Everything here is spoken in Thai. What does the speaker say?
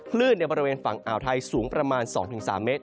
ในบริเวณฝั่งอ่าวไทยสูงประมาณ๒๓เมตร